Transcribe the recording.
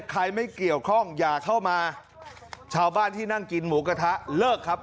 ไม่เกี่ยวข้องอย่าเข้ามาชาวบ้านที่นั่งกินหมูกระทะเลิกครับ